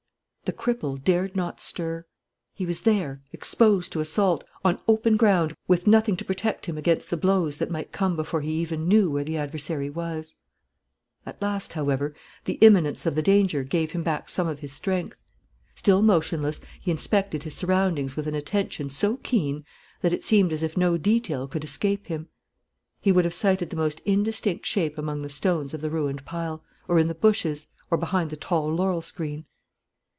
The cripple dared not stir. He was there, exposed to assault, on open ground, with nothing to protect him against the blows that might come before he even knew where the adversary was. At last, however, the imminence of the danger gave him back some of his strength. Still motionless, he inspected his surroundings with an attention so keen that it seemed as if no detail could escape him. He would have sighted the most indistinct shape among the stones of the ruined pile, or in the bushes, or behind the tall laurel screen.